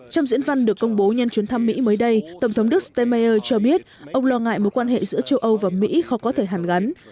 trong diễn văn được công bố nhân chuyến thăm mỹ mới đây tổng thống đức stemmeier cho biết ông lo ngại mối quan hệ giữa châu âu và mỹ khó có thể hàn gắn